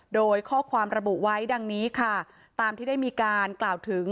โดยข้อความระบุไว้ดังนี้ค่ะตามที่ได้มีการกล่าวถึง